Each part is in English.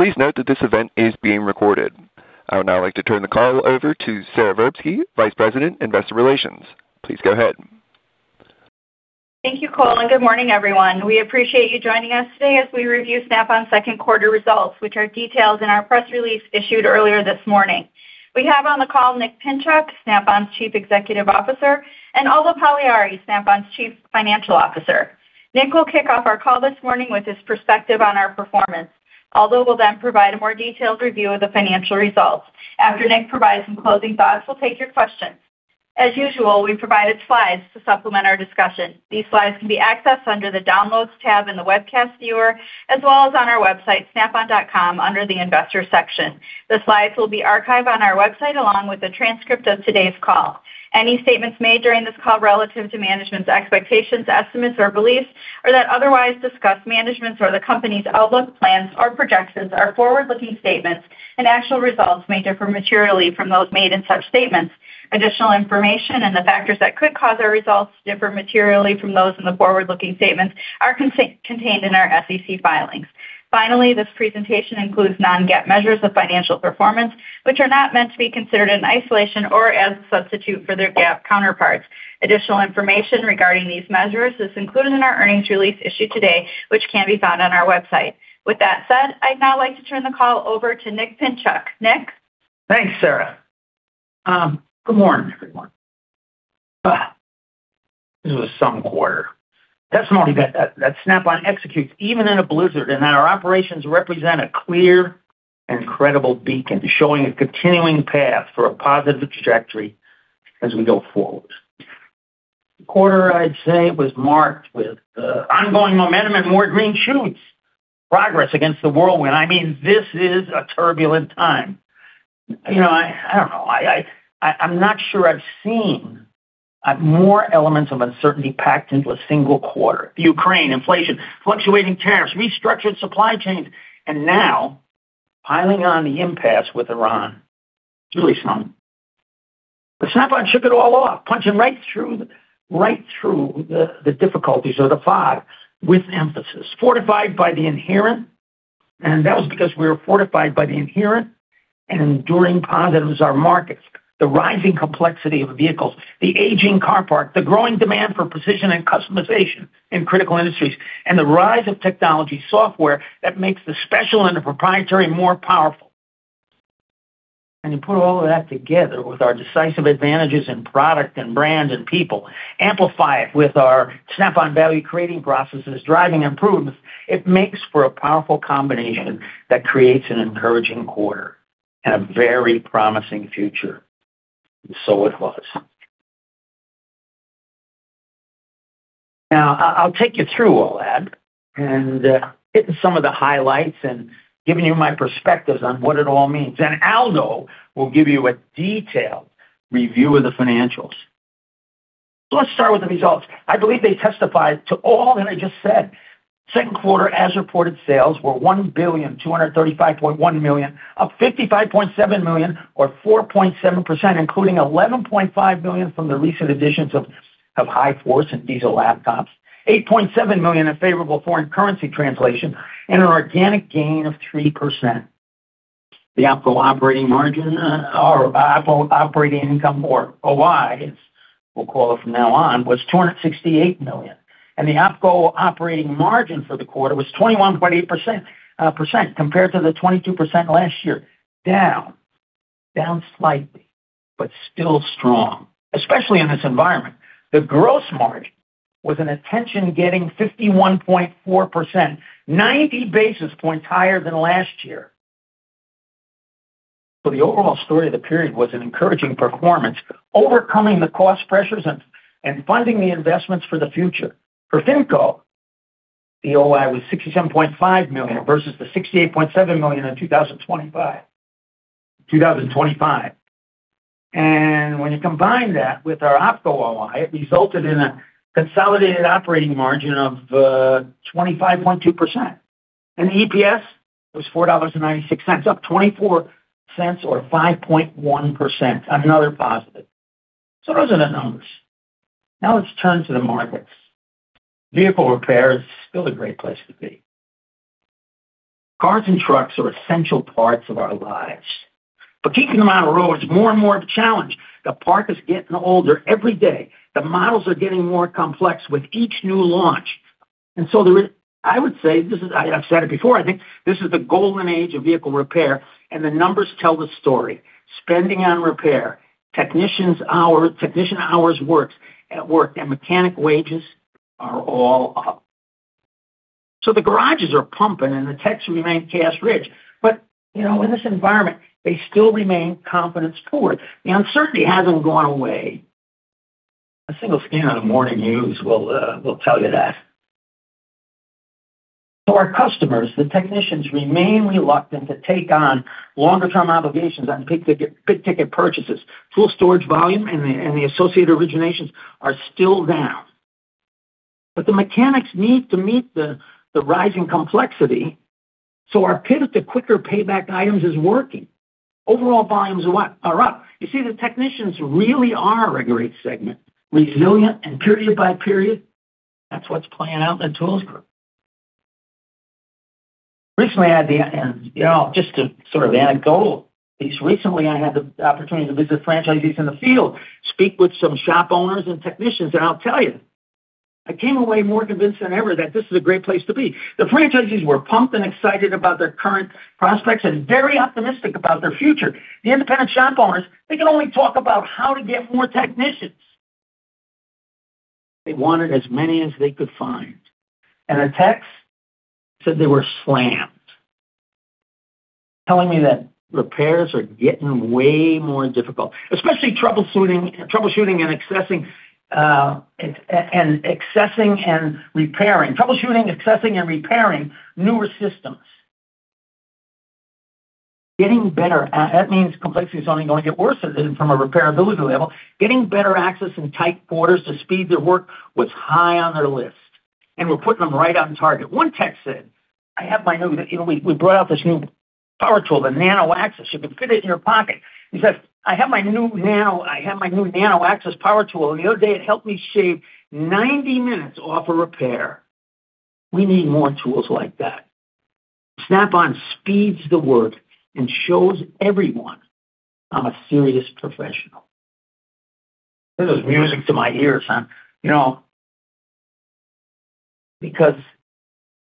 Please note that this event is being recorded. I would now like to turn the call over to Sara Verbsky, Vice President, Investor Relations. Please go ahead. Thank you, Cole. Good morning, everyone. We appreciate you joining us today as we review Snap-on's second quarter results, which are detailed in our press release issued earlier this morning. We have on the call Nick Pinchuk, Snap-on's Chief Executive Officer, Aldo Pagliari, Snap-on's Chief Financial Officer. Nick will kick off our call this morning with his perspective on our performance. Aldo will then provide a more detailed review of the financial results. After Nick provides some closing thoughts, we'll take your questions. As usual, we've provided slides to supplement our discussion. These slides can be accessed under the Downloads tab in the webcast viewer, as well as on our website, snapon.com, under the Investors section. The slides will be archived on our website along with a transcript of today's call. Any statements made during this call relative to management's expectations, estimates or beliefs or that otherwise discuss management's or the company's outlook, plans or projections are forward-looking statements. Actual results may differ materially from those made in such statements. Additional information and the factors that could cause our results to differ materially from those in the forward-looking statements are contained in our SEC filings. Finally, this presentation includes non-GAAP measures of financial performance, which are not meant to be considered in isolation or as a substitute for their GAAP counterparts. Additional information regarding these measures is included in our earnings release issued today, which can be found on our website. With that said, I'd now like to turn the call over to Nick Pinchuk. Nick? Thanks, Sara. Good morning, everyone. This was some quarter. Testimony that Snap-on executes even in a blizzard, that our operations represent a clear and credible beacon, showing a continuing path for a positive trajectory as we go forward. The quarter, I'd say, was marked with ongoing momentum and more green shoots. Progress against the whirlwind. This is a turbulent time. I don't know. I'm not sure I've seen more elements of uncertainty packed into a single quarter. Ukraine, inflation, fluctuating tariffs, restructured supply chains, now piling on the impasse with Iran. It's really something. Snap-on shook it all off, punching right through the difficulties or the fog with emphasis. Fortified by the inherent. That was because we were fortified by the inherent and enduring positives our markets, the rising complexity of vehicles, the aging car park, the growing demand for precision and customization in critical industries, and the rise of technology software that makes the special and the proprietary more powerful. When you put all of that together with our decisive advantages in product and brands and people, amplify it with our Snap-on value-creating processes, driving improvements, it makes for a powerful combination that creates an encouraging quarter and a very promising future. It was. I'll take you through all that and hitting some of the highlights and giving you my perspectives on what it all means. Then Aldo will give you a detailed review of the financials. Let's start with the results. I believe they testify to all that I just said. Second quarter as-reported sales were $1,235.1 million, up $55.7 million or 4.7%, including $11.5 million from the recent additions of Hi-Force and Diesel Laptops, $8.7 million in favorable foreign currency translation, and an organic gain of 3%. The OpCo operating margin or OpCo operating income or OI, as we'll call it from now on, was $268 million. The OpCo operating margin for the quarter was 21.8% compared to the 22% last year, down slightly, but still strong, especially in this environment. The gross margin was an attention-getting 51.4%, 90 basis points higher than last year. The overall story of the period was an encouraging performance, overcoming the cost pressures and funding the investments for the future. For FinCo, the OI was $67.5 million versus the $68.7 million in 2025. When you combine that with our OpCo OI, it resulted in a consolidated operating margin of 25.2%. The EPS was $4.96, up $0.24 or 5.1%, another positive. Those are the numbers. Let's turn to the markets. Vehicle repair is still a great place to be. Cars and trucks are essential parts of our lives, but keeping them on the road is more and more of a challenge. The park is getting older every day. The models are getting more complex with each new launch. I would say, I've said it before, I think this is the golden age of vehicle repair, and the numbers tell the story. Spending on repair, technician hours worked, and mechanic wages are all up. The garages are pumping and the techs remain cash rich. In this environment, they still remain confidence poor. The uncertainty hasn't gone away. A single scan of the morning news will tell you that. Our customers, the technicians, remain reluctant to take on longer-term obligations on big ticket purchases. Tool storage volume and the associated originations are still down. The mechanics need to meet the rising complexity, so our pivot to quicker payback items is working. Overall volumes are up. You see, the technicians really are a great segment. Resilient and period by period. That's what's playing out in the Tools Group. Recently, just a sort of anecdotal piece. Recently, I had the opportunity to visit franchisees in the field, speak with some shop owners and technicians, and I'll tell you, I came away more convinced than ever that this is a great place to be. The franchisees were pumped and excited about their current prospects and very optimistic about their future. The independent shop owners, they could only talk about how to get more technicians. They wanted as many as they could find. The techs said they were slammed, telling me that repairs are getting way more difficult, especially troubleshooting, accessing, and repairing newer systems. That means complexity is only going to get worse from a repairability level. Getting better access in tight quarters to speed their work was high on their list, and we're putting them right on target. One tech said, I have my new We brought out this new power tool, the NanoAxcess. You can fit it in your pocket. He says, I have my new NanoAxcess power tool, and the other day it helped me shave 90 minutes off a repair. We need more tools like that. Snap-on speeds the work and shows everyone I'm a serious professional. This is music to my ears.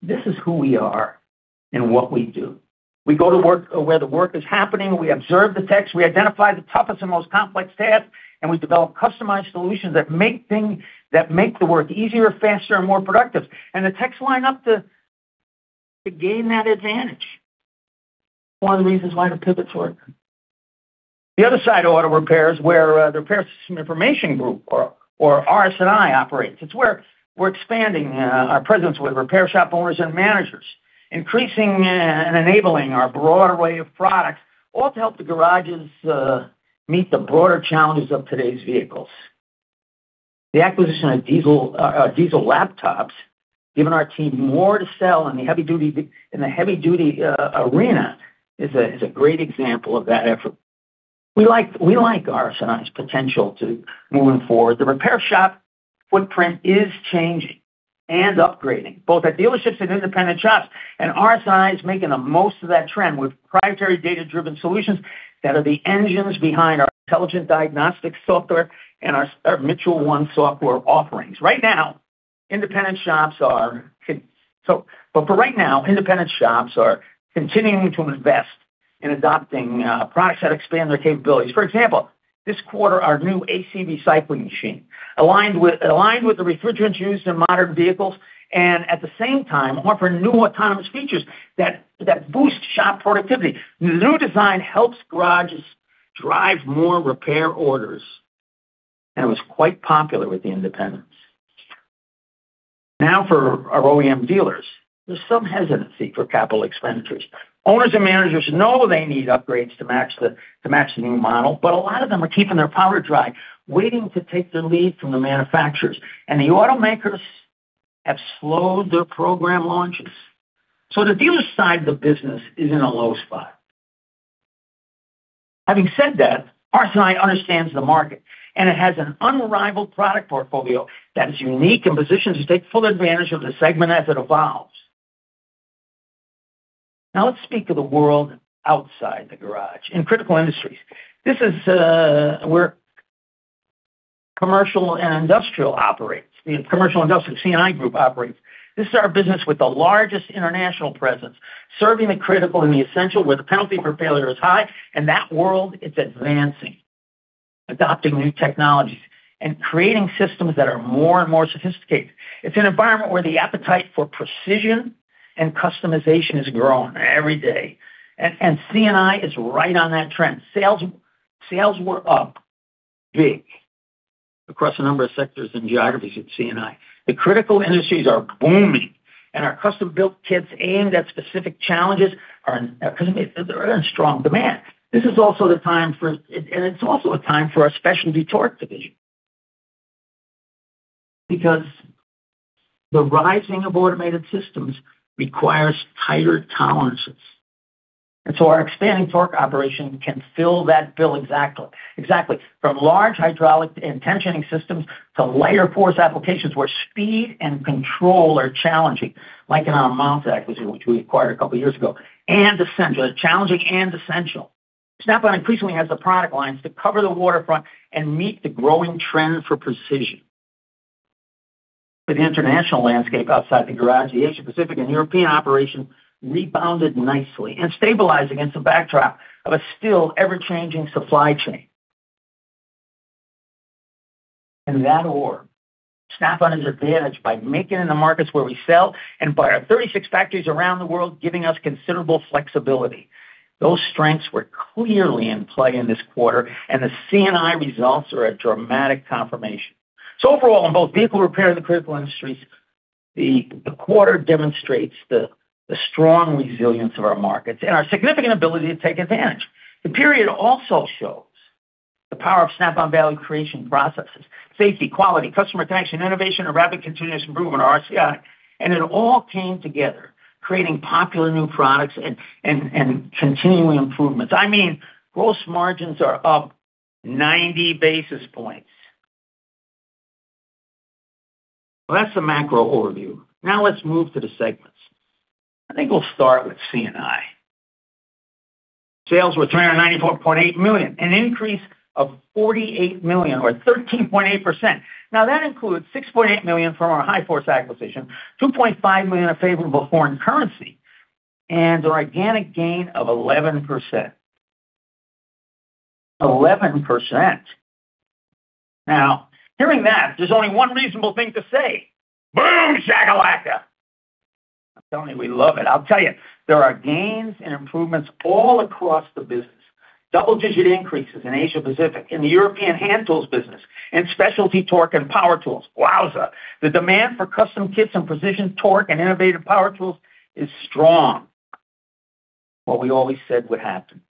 This is who we are and what we do. We go to where the work is happening, we observe the techs, we identify the toughest and most complex tasks, and we develop customized solutions that make the work easier, faster, and more productive. The techs line up to gain that advantage. One of the reasons why the pivots work. The other side of auto repair is where the Repair Systems & Information Group, or RSI operates. It's where we're expanding our presence with repair shop owners and managers, increasing and enabling our broader array of products, all to help the garages meet the broader challenges of today's vehicles. The acquisition of Diesel Laptops, giving our team more to sell in the heavy duty arena, is a great example of that effort. We like RSI's potential to moving forward. The repair shop footprint is changing and upgrading, both at dealerships and independent shops. RSI is making the most of that trend with proprietary data-driven solutions that are the engines behind our intelligent diagnostic software and our Mitchell 1 software offerings. For right now, independent shops are continuing to invest in adopting products that expand their capabilities. For example, this quarter, our new AC recycling machine, aligned with the refrigerants used in modern vehicles, and at the same time, offer new autonomous features that boost shop productivity. New design helps garages drive more repair orders, and it was quite popular with the independents. For our OEM dealers, there's some hesitancy for capital expenditures. Owners and managers know they need upgrades to match the new model, but a lot of them are keeping their power dry, waiting to take their lead from the manufacturers. The automakers have slowed their program launches. The dealer side of the business is in a low spot. Having said that, RSI understands the market, and it has an unrivaled product portfolio that is unique and positioned to take full advantage of the segment as it evolves. Let's speak of the world outside the garage in critical industries. This is where Commercial & Industrial operates. The Commercial & Industrial, C&I Group operates. This is our business with the largest international presence, serving the critical and the essential, where the penalty for failure is high, and that world is advancing, adopting new technologies and creating systems that are more and more sophisticated. It's an environment where the appetite for precision and customization is growing every day, C&I is right on that trend. Sales were up big across a number of sectors and geographies at C&I. The critical industries are booming, our custom-built kits aimed at specific challenges are in strong demand. It's also a time for our specialty torque division. Because the rising of automated systems requires tighter tolerances. Our expanding torque operation can fill that bill exactly. From large hydraulic and tensioning systems to lighter force applications where speed and control are challenging, like in our Mountz acquisition, which we acquired a couple of years ago, and essential. Challenging and essential. Snap-on increasingly has the product lines to cover the waterfront and meet the growing trend for precision. To the international landscape outside the garage, the Asia-Pacific and European operations rebounded nicely and stabilized against the backdrop of a still ever-changing supply chain. In that war, Snap-on is advantaged by making in the markets where we sell and by our 36 factories around the world giving us considerable flexibility. Those strengths were clearly in play in this quarter, the C&I results are a dramatic confirmation. Overall, on both vehicle repair and the critical industries, the quarter demonstrates the strong resilience of our markets and our significant ability to take advantage. The period also shows the power of Snap-on value creation processes, safety, quality, customer connection, innovation, and rapid continuous improvement, RCI. It all came together, creating popular new products and continuing improvements. I mean, gross margins are up 90 basis points. Well, that's the macro overview. Now let's move to the segments. I think we'll start with C&I. Sales were $394.8 million, an increase of $48 million, or 13.8%. That includes $6.8 million from our Hi-Force acquisition, $2.5 million of favorable foreign currency, and an organic gain of 11%. 11%. Now, hearing that, there's only one reasonable thing to say, Boom shakalaka! I'm telling you, we love it. I'll tell you, there are gains and improvements all across the business. Double-digit increases in Asia-Pacific, in the European hand tools business, in specialty torque and power tools. Wowza. The demand for custom kits and precision torque and innovative power tools is strong. What we always said would happen.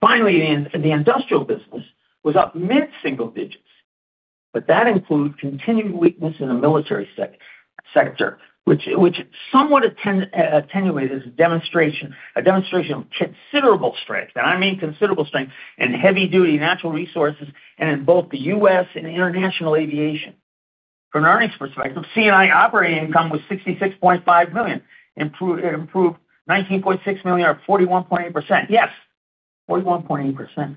Finally, the industrial business was up mid-single digits, that includes continued weakness in the military sector, which somewhat attenuated as a demonstration of considerable strength, and I mean considerable strength, in heavy-duty natural resources and in both the U.S. and international aviation. From an earnings perspective, C&I operating income was $66.5 million, improved $19.6 million or 41.8%. Yes, 41.8%.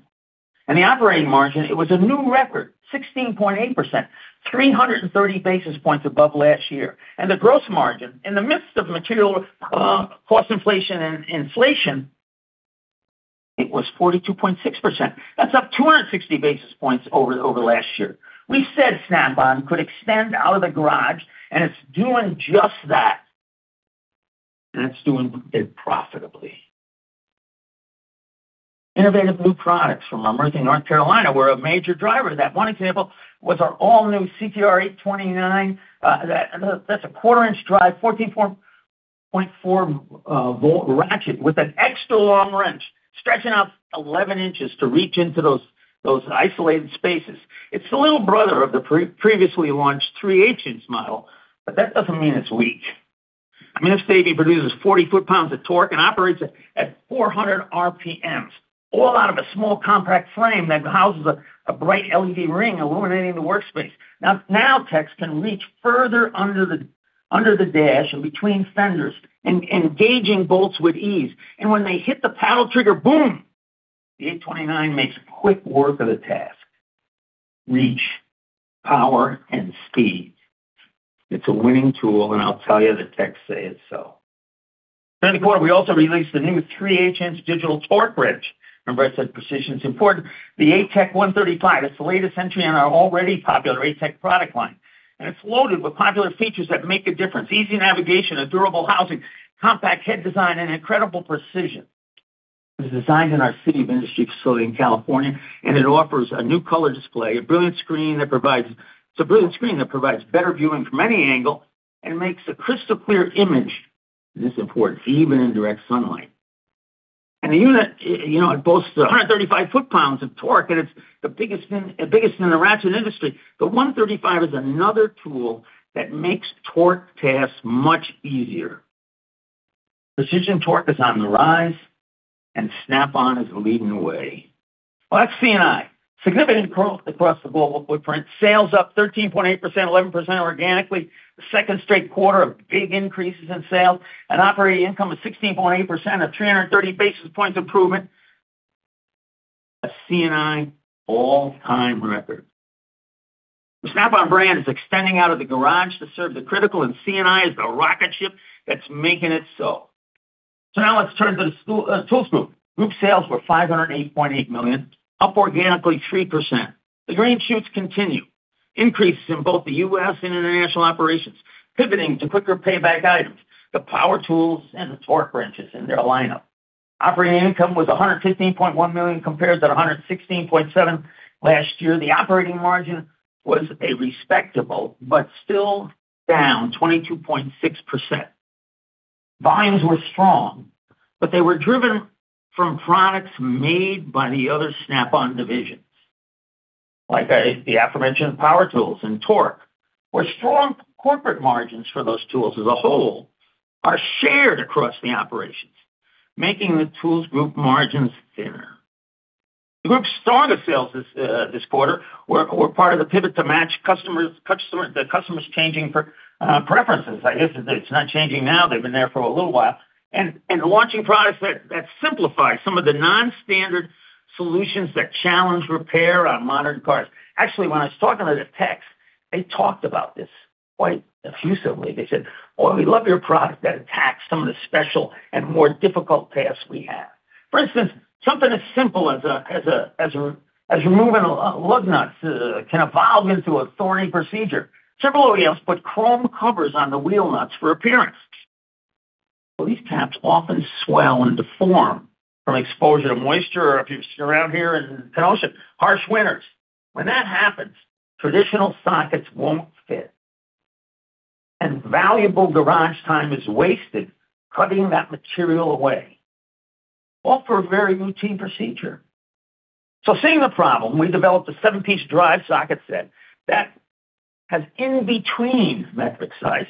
The operating margin, it was a new record, 16.8%, 330 basis points above last year. The gross margin, in the midst of material cost inflation and inflation, it was 42.6%. That's up 260 basis points over last year. We said Snap-on could extend out of the garage it's doing just that. It's doing it profitably. Innovative new products from our Murphy, North Carolina, were a major driver of that. One example was our all-new CTR829. That's a quarter-inch drive, 14.4V ratchet with an extra long wrench, stretching out 11 inches to reach into those isolated spaces. It's the little brother of the previously launched 3/8 inch model, but that doesn't mean it's weak. I mean, this baby produces 40 ft-lb of torque and operates at 400 RPMs, all out of a small, compact frame that houses a bright LED ring illuminating the workspace. Now, techs can reach further under the dash and between fenders, engaging bolts with ease. When they hit the paddle trigger, boom. The 829 makes quick work of the task. Reach, power, and speed. It's a winning tool, and I'll tell you, the techs say it so. During the quarter, we also released the new three-eighths inch digital torque wrench. Remember I said precision is important. The ATECH 135 is the latest entry in our already popular ATECH product line. It's loaded with popular features that make a difference. Easy navigation, a durable housing, compact head design, and incredible precision. It was designed in our City of Industry facility in California. It offers a new color display, a brilliant screen that provides better viewing from any angle, and makes a crystal clear image, this is important, even in direct sunlight. The unit boasts 135 ft-lb of torque. It's the biggest in the ratchet industry. The 135 is another tool that makes torque tasks much easier. Precision torque is on the rise, and Snap-on is leading the way. Well, that's C&I. Significant growth across the global footprint. Sales up 13.8%, 11% organically. The second straight quarter of big increases in sales. Operating income of 16.8% of 330 basis points improvement. A C&I all-time record. The Snap-on brand is extending out of the garage to serve the critical. C&I is the rocket ship that's making it so. Now let's turn to the Tools Group. Group sales were $508.8 million, up organically 3%. The green shoots continue. Increases in both the U.S. and international operations, pivoting to quicker payback items, the power tools and the torque wrenches in their lineup. Operating income was $115.1 million compared to $116.7 million last year. The operating margin was a respectable, but still down 22.6%. Volumes were strong. They were driven from products made by the other Snap-on divisions, like the aforementioned power tools and torque. Where strong corporate margins for those tools as a whole are shared across the operations, making the Tools Group margins thinner. The group's stronger sales this quarter were part of the pivot to match the customer's changing preferences. I guess it's not changing now. They've been there for a little while. Launching products that simplify some of the non-standard solutions that challenge repair on modern cars. Actually, when I was talking to the techs, they talked about this quite effusively. They said, Well, we love your product that attacks some of the special and more difficult tasks we have. For instance, something as simple as removing lug nuts can evolve into a thorny procedure. Several OEMs put chrome covers on the wheel nuts for appearance. Well, these caps often swell and deform from exposure to moisture, or if you sit around here in Kenosha, harsh winters. When that happens, traditional sockets won't fit. Valuable garage time is wasted cutting that material away, all for a very routine procedure. Seeing the problem, we developed a seven-piece drive socket set that has in-between metric sizes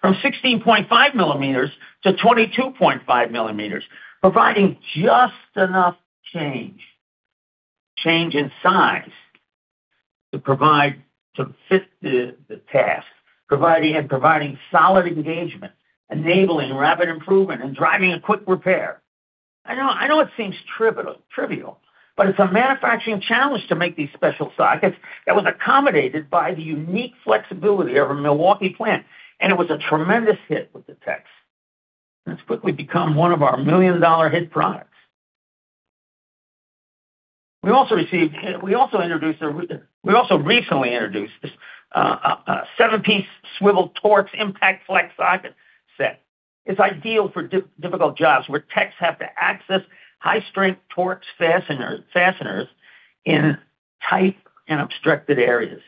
from 16.5 mm-22.5 mm, providing just enough change in size to fit the task, and providing solid engagement, enabling rapid improvement, and driving a quick repair. I know it seems trivial, but it's a manufacturing challenge to make these special sockets that was accommodated by the unique flexibility of our Milwaukee plant, and it was a tremendous hit with the techs. It's quickly become one of our million-dollar hit products. We also recently introduced this seven-piece swivel Torx impact flex socket set. It's ideal for difficult jobs where techs have to access high-strength Torx fasteners in tight and obstructed areas.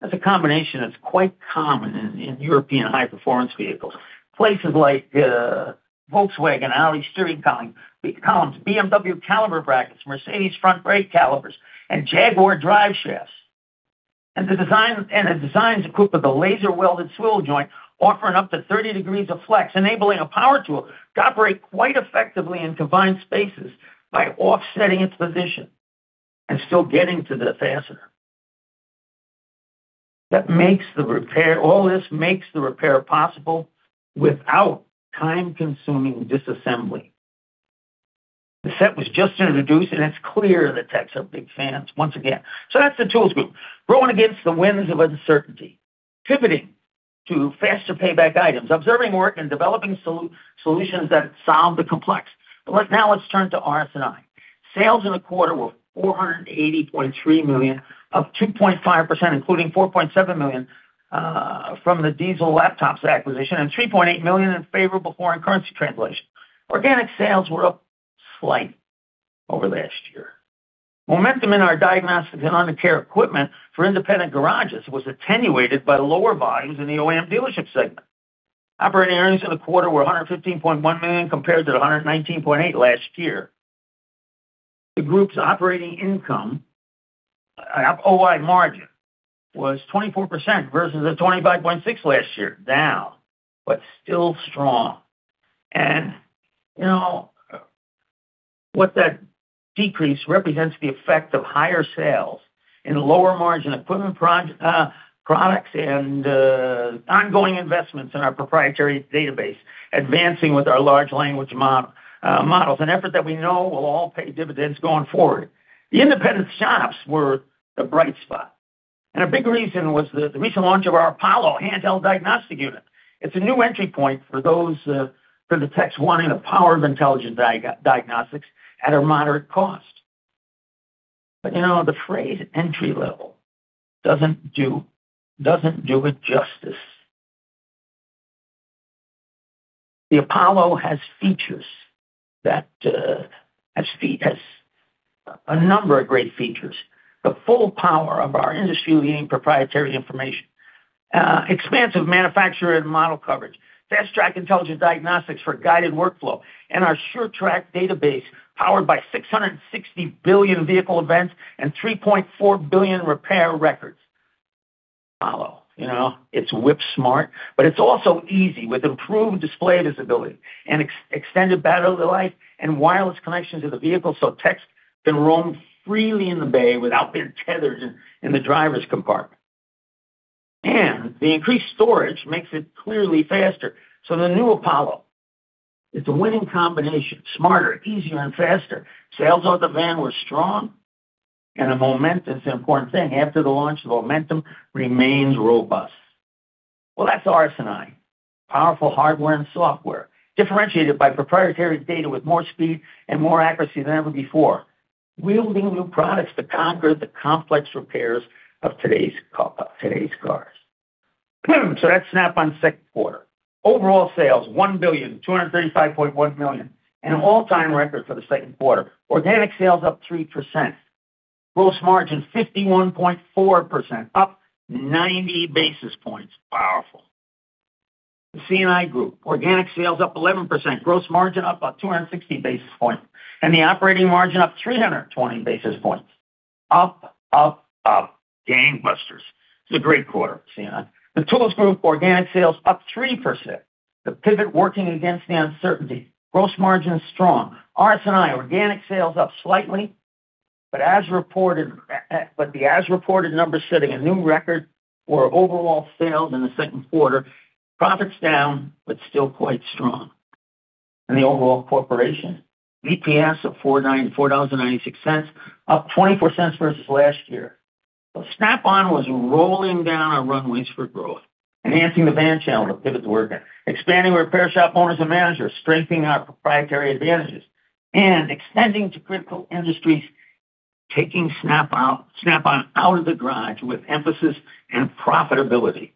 That's a combination that's quite common in European high-performance vehicles, places like Volkswagen alloy steering columns, BMW caliper brackets, Mercedes front brake calipers, and Jaguar drive shafts. The design's equipped with a laser welded swivel joint offering up to 30 degrees of flex, enabling a power tool to operate quite effectively in confined spaces by offsetting its position and still getting to the fastener. All this makes the repair possible without time-consuming disassembly. The set was just introduced, and it's clear the techs are big fans once again. That's the tools group. Rowing against the winds of uncertainty, pivoting to faster payback items, observing work, and developing solutions that solve the complex. Now let's turn to RS&I. Sales in the quarter were $480.3 million, up 2.5%, including $4.7 million from the Diesel Laptops acquisition and $3.8 million in favorable foreign currency translation. Organic sales were up slightly over last year. Momentum in our diagnostic and under care equipment for independent garages was attenuated by lower volumes in the OEM dealership segment. Operating earnings for the quarter were $115.1 million compared to $119.8 million last year. The group's operating income, OI margin, was 24% versus 25.6% last year, down but still strong. What that decrease represents the effect of higher sales in lower margin equipment products and ongoing investments in our proprietary database, advancing with our large language models. An effort that we know will all pay dividends going forward. The independent shops were the bright spot, and a big reason was the recent launch of our Apollo handheld diagnostic unit. It's a new entry point for the techs wanting the power of intelligent diagnostics at a moderate cost. The phrase entry level doesn't do it justice. The Apollo has a number of great features. The full power of our industry-leading proprietary information, expansive manufacturer and model coverage, Fast-Track intelligent diagnostics for guided workflow, and our SureTrack database, powered by 660 billion vehicle events and 3.4 billion repair records. Apollo. It's whip smart, it's also easy, with improved display visibility and extended battery life and wireless connection to the vehicle, so techs can roam freely in the bay without being tethered in the driver's compartment. The increased storage makes it clearly faster. The new Apollo is a winning combination, smarter, easier, and faster. Sales out of the van were strong and the momentum is the important thing. After the launch, the momentum remains robust. That's RS&I. Powerful hardware and software differentiated by proprietary data with more speed and more accuracy than ever before. Wielding new products to conquer the complex repairs of today's cars. That's Snap-on second quarter. Overall sales, $1,235.1 million, an all-time record for the second quarter. Organic sales up 3%. Gross margin 51.4%, up 90 basis points. Powerful. The C&I Group, organic sales up 11%, gross margin up 260 basis points, and the operating margin up 320 basis points. Up, up, up. Game busters. It's a great quarter at C&I. The Tools Group, organic sales up 3%. The pivot working against the uncertainty. Gross margin is strong. RS&I, organic sales up slightly, but the as-reported numbers setting a new record for overall sales in the second quarter, profits down but still quite strong. In the overall corporation, EPS of $4.96, up $0.24 versus last year. Snap-on was rolling down our runways for growth, enhancing the van channel, the pivot's working, expanding repair shop owners and managers, strengthening our proprietary advantages, and extending to critical industries, taking Snap-on out of the garage with emphasis and profitability.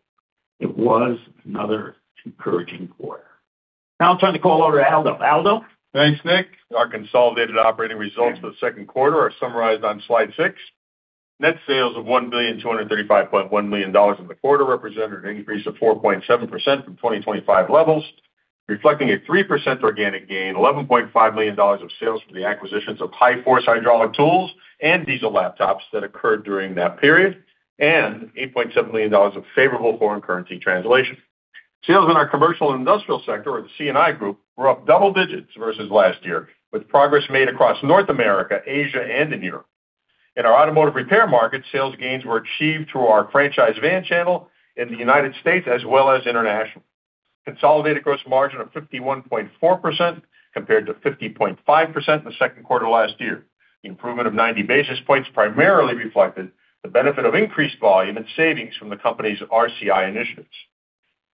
It was another encouraging quarter. I'll turn the call over to Aldo. Aldo? Thanks, Nick. Our consolidated operating results for the second quarter are summarized on slide six. Net sales of $1,235.1 million in the quarter represented an increase of 4.7% from 2025 levels. Reflecting a 3% organic gain, $11.5 million of sales from the acquisitions of Hi-Force Hydraulic Tools and Diesel Laptops that occurred during that period, and $8.7 million of favorable foreign currency translation. Sales in our Commercial & Industrial sector, or the C&I Group, were up double digits versus last year, with progress made across North America, Asia, and in Europe. In our automotive repair market, sales gains were achieved through our franchise van channel in the United States as well as international. Consolidated gross margin of 51.4% compared to 50.5% in the second quarter last year. The improvement of 90 basis points primarily reflected the benefit of increased volume and savings from the company's RCI initiatives.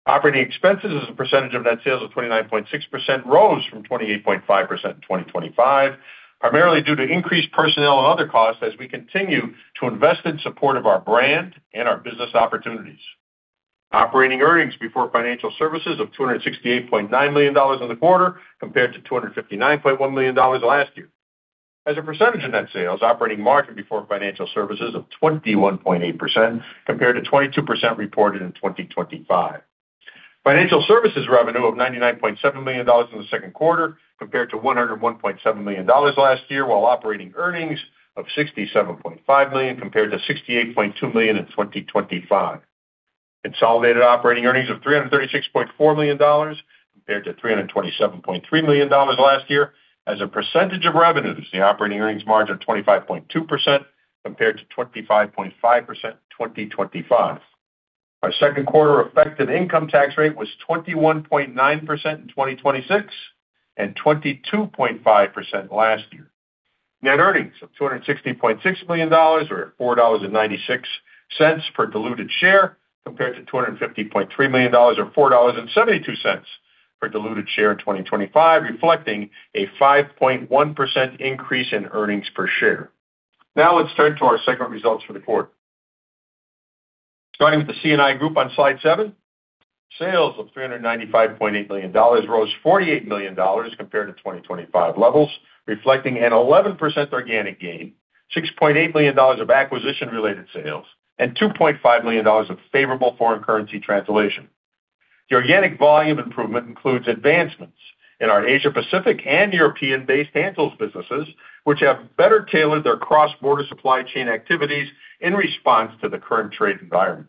Operating expenses as a percentage of net sales of 29.6% rose from 28.5% in 2025, primarily due to increased personnel and other costs as we continue to invest in support of our brand and our business opportunities. Operating earnings before financial services of $268.9 million in the quarter compared to $259.1 million last year. As a percentage of net sales, operating margin before financial services of 21.8% compared to 22% reported in 2025. Financial services revenue of $99.7 million in the second quarter compared to $101.7 million last year, while operating earnings of $67.5 million compared to $68.2 million in 2025. Consolidated operating earnings of $336.4 million compared to $327.3 million last year. As a percentage of revenues, the operating earnings margin 25.2% compared to 25.5% in 2025. Our second quarter effective income tax rate was 21.9% in 2026 and 22.5% last year. Net earnings of $260.6 million or $4.96 per diluted share compared to $250.3 million or $4.72 per diluted share in 2025, reflecting a 5.1% increase in earnings per share. Let's turn to our segment results for the quarter. Starting with the C&I Group on slide seven, sales of $395.8 million rose $48 million compared to 2025 levels, reflecting an 11% organic gain, $6.8 million of acquisition-related sales, and $2.5 million of favorable foreign currency translation. The organic volume improvement includes advancements in our Asia-Pacific and European-based handhelds businesses, which have better tailored their cross-border supply chain activities in response to the current trade environment.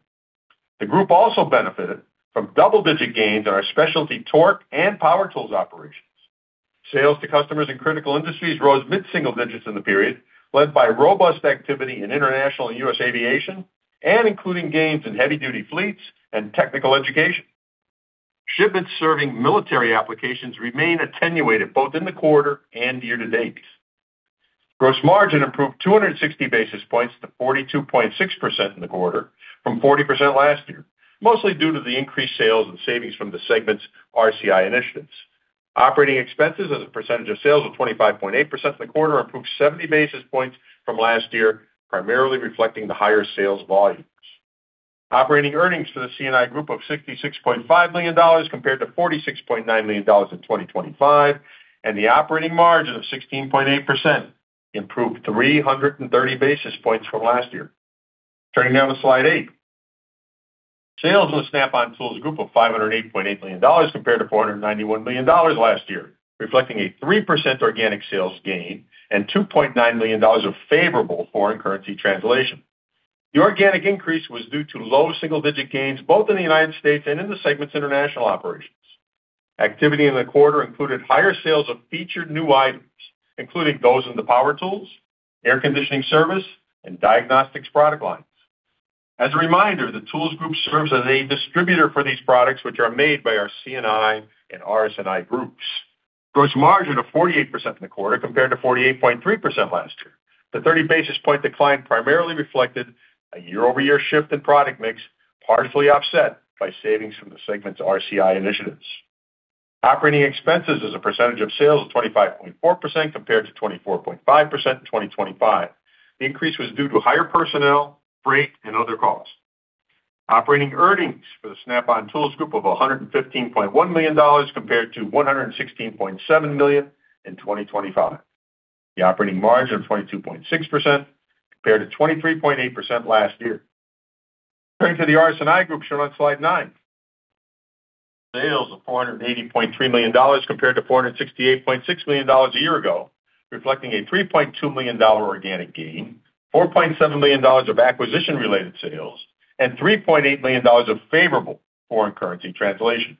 The group also benefited from double-digit gains in our specialty torque and power tools operations. Sales to customers in critical industries rose mid-single digits in the period, led by robust activity in international and U.S. aviation and including gains in heavy-duty fleets and technical education. Shipments serving military applications remain attenuated both in the quarter and year-to-date. Gross margin improved 260 basis points to 42.6% in the quarter from 40% last year, mostly due to the increased sales and savings from the segment's RCI initiatives. Operating expenses as a percentage of sales of 25.8% in the quarter improved 70 basis points from last year, primarily reflecting the higher sales volumes. Operating earnings for the C&I Group of $66.5 million compared to $46.9 million in 2025 and the operating margin of 16.8% improved 330 basis points from last year. Turning to slide eight. Sales of the Snap-on Tools Group of $508.8 million compared to $491 million last year, reflecting a 3% organic sales gain and $2.9 million of favorable foreign currency translation. The organic increase was due to low double-digit gains both in the United States and in the segment's international operations. Activity in the quarter included higher sales of featured new items, including those in the power tools, air conditioning service, and diagnostics product lines. As a reminder, the tools group serves as a distributor for these products, which are made by our C&I and RS&I groups. Gross margin of 48% in the quarter compared to 48.3% last year. The 30 basis point decline primarily reflected a year-over-year shift in product mix, partially offset by savings from the segment's RCI initiatives. Operating expenses as a percentage of sales of 25.4% compared to 24.5% in 2025. The increase was due to higher personnel, freight, and other costs. Operating earnings for the Snap-on Tools Group of $115.1 million compared to $116.7 million in 2025. The operating margin of 22.6% compared to 23.8% last year. Turning to the RS&I Group shown on slide nine. Sales of $480.3 million compared to $468.6 million a year ago, reflecting a $3.2 million organic gain, $4.7 million of acquisition-related sales, and $3.8 million of favorable foreign currency translation.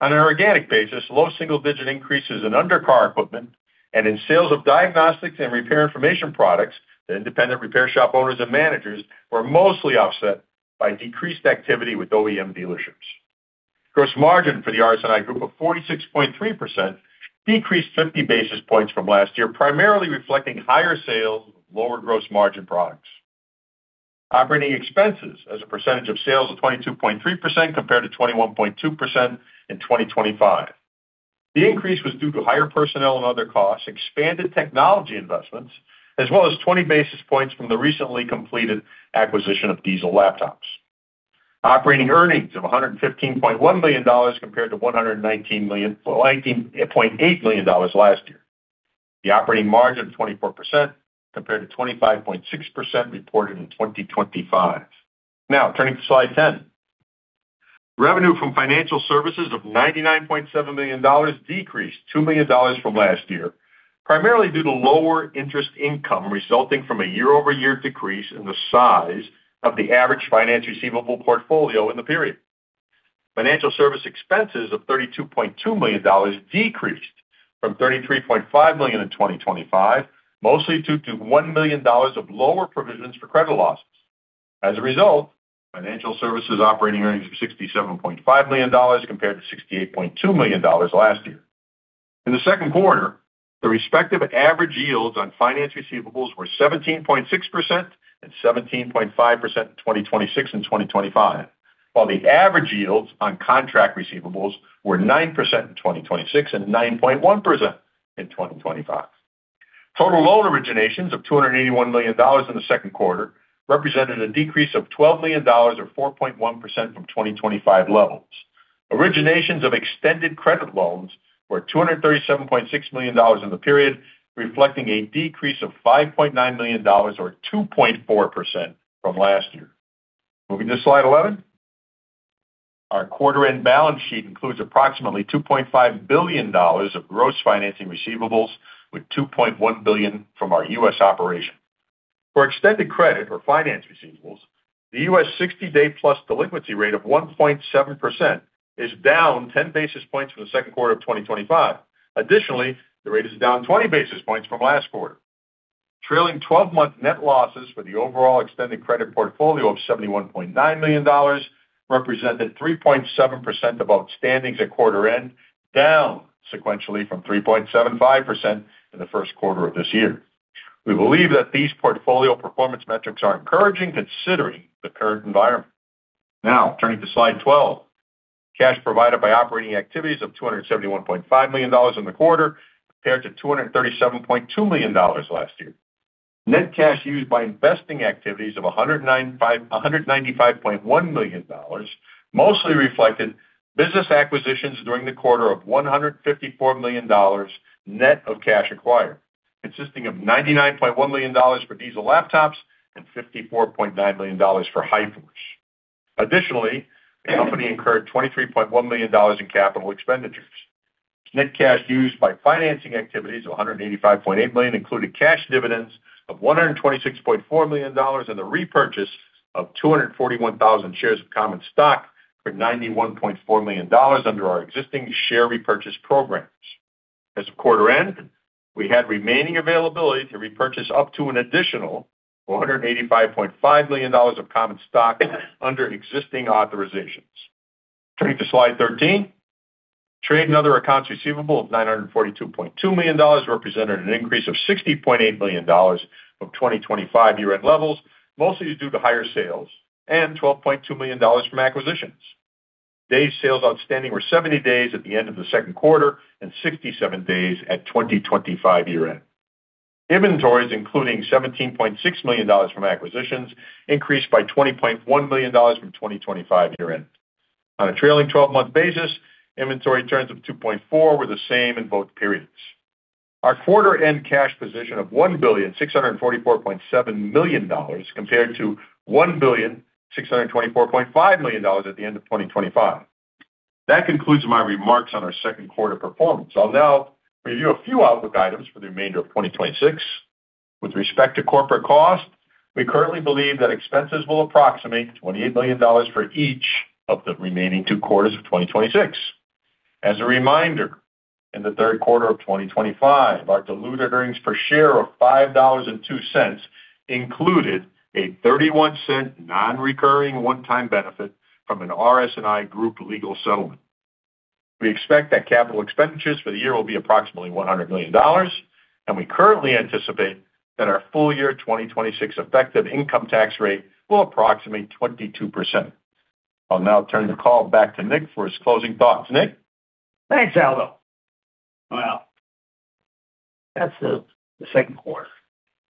On an organic basis, low single-digit increases in undercar equipment and in sales of diagnostics and repair information products to independent repair shop owners and managers were mostly offset by decreased activity with OEM dealerships. Gross margin for the RS&I Group of 46.3% decreased 50 basis points from last year, primarily reflecting higher sales of lower gross margin products. Operating expenses as a percentage of sales of 22.3% compared to 21.2% in 2025. The increase was due to higher personnel and other costs, expanded technology investments, as well as 20 basis points from the recently completed acquisition of Diesel Laptops. Operating earnings of $115.1 million compared to $119.8 million last year. The operating margin of 24%, compared to 25.6% reported in 2025. Turning to slide 10. Revenue from financial services of $99.7 million decreased $2 million from last year, primarily due to lower interest income resulting from a year-over-year decrease in the size of the average finance receivable portfolio in the period. Financial service expenses of $32.2 million decreased from $33.5 million in 2025, mostly due to $1 million of lower provisions for credit losses. As a result, financial services operating earnings were $67.5 million, compared to $68.2 million last year. In the second quarter, the respective average yields on finance receivables were 17.6% and 17.5% in 2026 and 2025. While the average yields on contract receivables were 9% in 2026 and 9.1% in 2025. Total loan originations of $281 million in the second quarter represented a decrease of $12 million, or 4.1% from 2025 levels. Originations of extended credit loans were $237.6 million in the period, reflecting a decrease of $5.9 million, or 2.4% from last year. Moving to slide 11. Our quarter end balance sheet includes approximately $2.5 billion of gross financing receivables, with $2.1 billion from our U.S. operation. For extended credit or finance receivables, the U.S. 60-day plus delinquency rate of 1.7% is down 10 basis points from the second quarter of 2025. Additionally, the rate is down 20 basis points from last quarter. Trailing 12-month net losses for the overall extended credit portfolio of $71.9 million represented 3.7% of outstandings at quarter-end, down sequentially from 3.75% in the first quarter of this year. We believe that these portfolio performance metrics are encouraging considering the current environment. Turning to slide 12. Cash provided by operating activities of $271.5 million in the quarter, compared to $237.2 million last year. Net cash used by investing activities of $195.1 million mostly reflected business acquisitions during the quarter of $154 million, net of cash acquired, consisting of $99.1 million for Diesel Laptops and $54.9 million for Hi-Force. Additionally, the company incurred $23.1 million in capital expenditures. Net cash used by financing activities of $185.8 million included cash dividends of $126.4 million and the repurchase of 241,000 shares of common stock for $91.4 million under our existing share repurchase programs. As of quarter-end, we had remaining availability to repurchase up to an additional $185.5 million of common stock under existing authorizations. Turning to slide 13. Trade and other accounts receivable of $942.2 million represented an increase of $60.8 million from 2025 year-end levels, mostly due to higher sales and $12.2 million from acquisitions. Days sales outstanding were 70 days at the end of the second quarter and 67 days at 2025 year-end. Inventories, including $17.6 million from acquisitions, increased by $20.1 million from 2025 year-end. On a trailing 12-month basis, inventory turns of 2.4 were the same in both periods. Our quarter-end cash position of $1,644.7 million compared to $1,624.5 million at the end of 2025. That concludes my remarks on our second quarter performance. I'll now review a few outlook items for the remainder of 2026. With respect to corporate cost, we currently believe that expenses will approximate $28 million for each of the remaining two quarters of 2026. As a reminder, in the third quarter of 2025, our diluted earnings per share of $5.02 included a $0.31 non-recurring one-time benefit from an RS&I group legal settlement. We expect that capital expenditures for the year will be approximately $100 million, and we currently anticipate that our full-year 2026 effective income tax rate will approximate 22%. I'll now turn the call back to Nick for his closing thoughts. Nick? Thanks, Aldo. Well, that's the second quarter.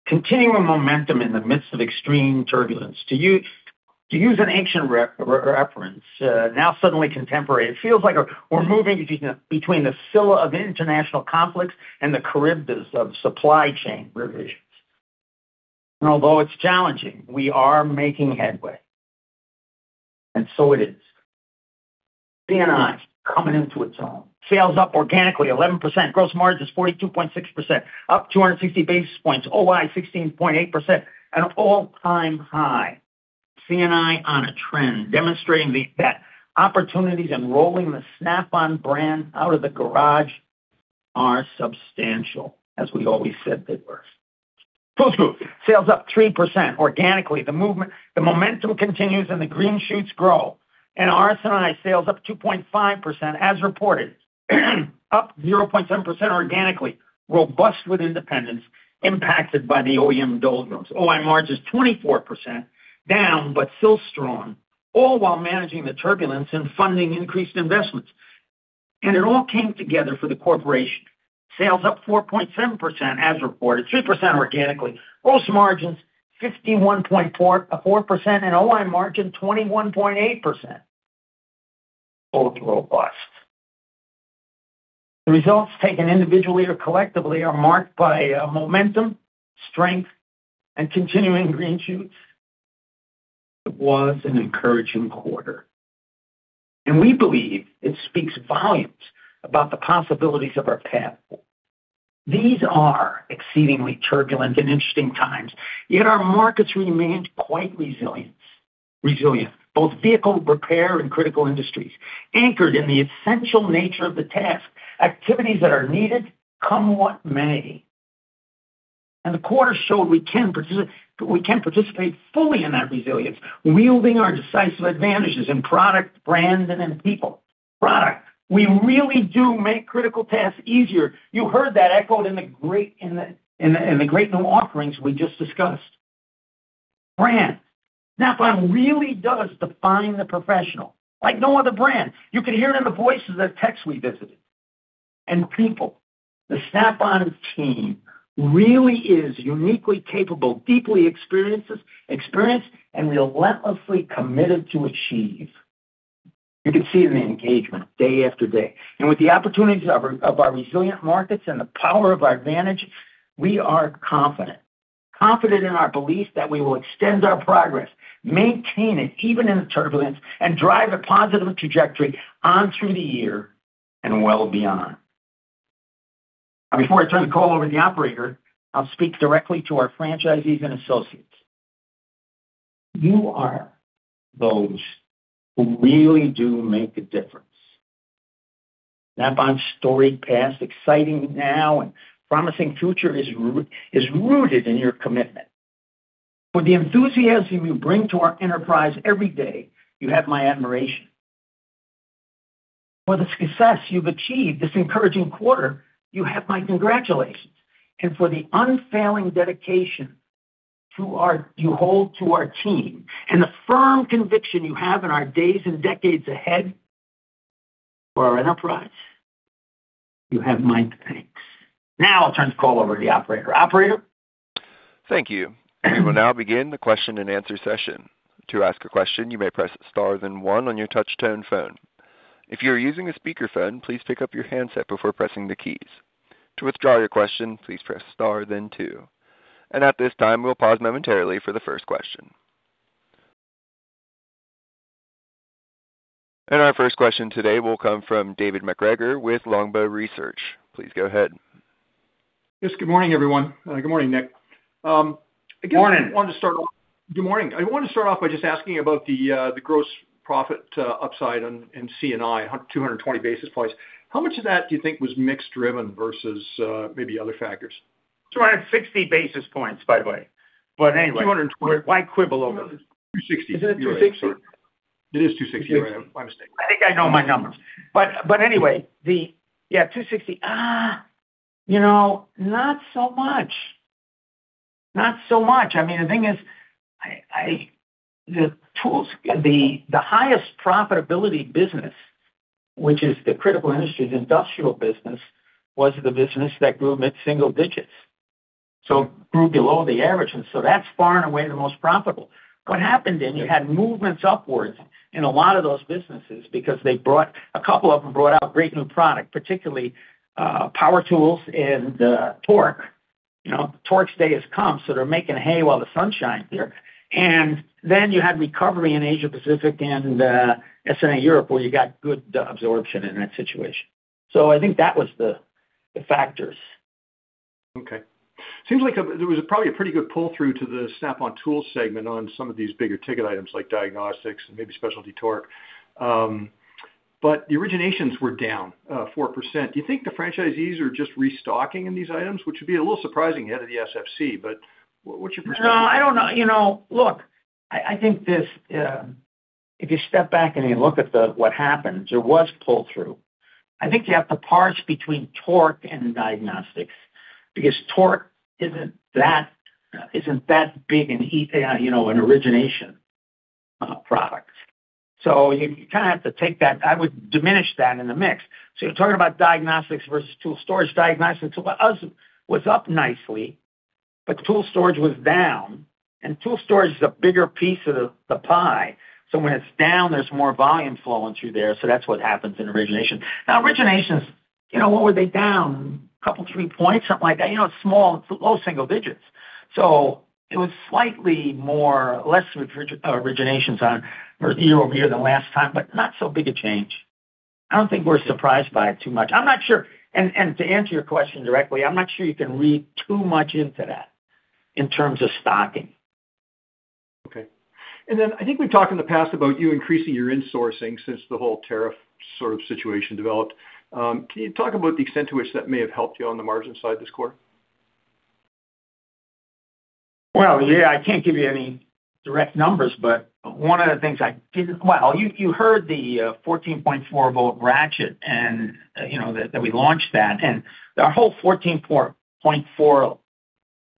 Continuing momentum in the midst of extreme turbulence. To use an ancient reference, now suddenly contemporary, it feels like we're moving between the Scylla of international conflicts and the Charybdis of supply chain revisions. Although it's challenging, we are making headway, and so it is. C&I coming into its own. Sales up organically 11%, gross margins 42.6%, up 260 basis points, OI 16.8%, an all-time high. C&I on a trend demonstrating that opportunities and rolling the Snap-on brand out of the garage are substantial, as we always said they were. Tools Group, sales up 3% organically. The momentum continues, and the green shoots grow. RS&I sales up 2.5% as reported, up 0.7% organically, robust with independents impacted by the OEM doldrums. OI margin's 24%, down but still strong, all while managing the turbulence and funding increased investments. It all came together for the corporation. Sales up 4.7% as reported, 3% organically. Gross margins 51.4%, OI margin 21.8%. Both robust. The results taken individually or collectively are marked by momentum, strength, and continuing green shoots. It was an encouraging quarter, and we believe it speaks volumes about the possibilities of our path forward. These are exceedingly turbulent and interesting times, yet our markets remained quite resilient. Both vehicle repair and critical industries, anchored in the essential nature of the task, activities that are needed, come what may. The quarter showed we can participate fully in that resilience, wielding our decisive advantages in product, brand, and in people. Product, we really do make critical tasks easier. You heard that echoed in the great new offerings we just discussed. Brand, Snap-on really does define the professional like no other brand. You could hear it in the voices of the techs we visited. People, the Snap-on team really is uniquely capable, deeply experienced, and relentlessly committed to achieve. You can see it in the engagement day after day. With the opportunities of our resilient markets and the power of our advantage, we are confident. Confident in our belief that we will extend our progress, maintain it even in the turbulence, and drive a positive trajectory on through the year and well beyond. Now, before I turn the call over to the operator, I'll speak directly to our franchisees and associates. You are those who really do make a difference. Snap-on's storied past, exciting now, and promising future is rooted in your commitment. For the enthusiasm you bring to our enterprise every day, you have my admiration. For the success you've achieved this encouraging quarter, you have my congratulations. For the unfailing dedication you hold to our team, and the firm conviction you have in our days and decades ahead for our enterprise, you have my thanks. Now I'll turn the call over to the operator. Operator? Thank you. We will now begin the question-and-answer session. To ask a question, you may press star then one on your touch tone phone. If you are using a speakerphone, please pick up your handset before pressing the keys. To withdraw your question, please press star then two. At this time, we'll pause momentarily for the first question. Our first question today will come from David MacGregor with Longbow Research. Please go ahead. Yes, good morning, everyone. Good morning, Nick. Morning. Good morning. I want to start off by just asking about the gross profit upside in C&I, 220 basis points. How much of that do you think was mix driven versus maybe other factors? 260 basis points, by the way. Anyway. 220 basis points. Why quibble over this? 260 basis points. Isn't it 260 basis points? It is 260 basis points. You're right. My mistake. I think I know my numbers. Anyway, yeah, 260. Not so much. I mean, the thing is, the highest profitability business, which is the critical industries industrial business, was the business that grew mid-single-digits, so it grew below the average. That's far and away the most profitable. Then, you had movements upwards in a lot of those businesses because a couple of them brought out great new product, particularly power tools and torque. Torque's day has come, so they're making hay while the sun shines here. Then you had recovery in Asia Pacific and SNA Europe, where you got good absorption in that situation. I think that was the factors. Okay. Seems like there was probably a pretty good pull-through to the Snap-on Tools segment on some of these bigger ticket items like diagnostics and maybe specialty torque. The originations were down 4%. Do you think the franchisees are just restocking in these items? Which would be a little surprising ahead of the SFC, what's your perspective? No, I don't know. Look, I think if you step back and you look at what happened, there was pull-through. I think you have to parse between torque and diagnostics, because torque isn't that big an origination product. You kind of have to take that. I would diminish that in the mix. You're talking about diagnostics versus tool storage. Diagnostics was up nicely, tool storage was down, and tool storage is a bigger piece of the pie. When it's down, there's more volume flowing through there. That's what happens in origination. Now, originations, what were they down? A couple of three points, something like that. It's small. It's low single digits. It was slightly less originations year-over-year than last time, not so big a change. I don't think we're surprised by it too much. To answer your question directly, I'm not sure you can read too much into that in terms of stocking. Okay. Then I think we've talked in the past about you increasing your insourcing since the whole tariff sort of situation developed. Can you talk about the extent to which that may have helped you on the margin side this quarter? Well, yeah, I can't give you any direct numbers. Well, you heard the 14.4 V ratchet and that we launched that. Our whole 14.4